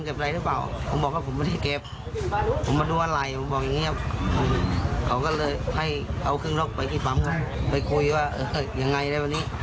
เขาก็เลยให้เอาเครื่องรกไปคุยว่าเออยังไงเลยวันนี้